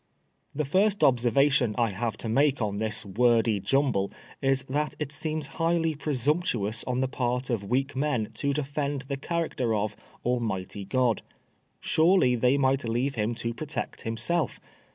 The first observation I have to make on this wordy jumble is, that it seems highly presumptuous on the part of weak men to defend the character of " Almighty God." Surely they might leave him to protect himself.